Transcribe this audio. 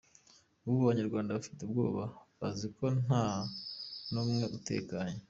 Ubu abanyarwada bafite ubwoba, bazi ko nta n’umwe utekanye.”